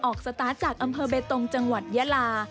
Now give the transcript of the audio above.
สตาร์ทจากอำเภอเบตงจังหวัดยาลา